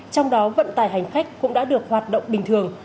sau đó vận tài hành khách cũng đã được hoạt động bình thường